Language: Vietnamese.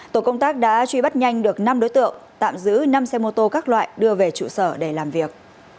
tổ công tác đã truy bắt nhanh được năm đối tượng tạm giữ năm xe mô tô các loại đưa về trụ sở để làm việc